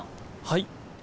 はい。